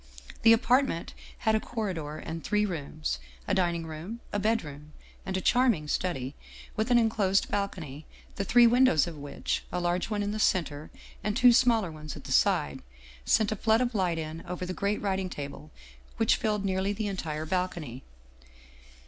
" The apartment had a corridor and three rooms ; a din ing room, a bedroom, and a charming study with an in closed balcony, the three windows of which, a large one in the center and two smaller ones at the side, sent a flood of light in over the great writing table which filled nearly the entire balcony.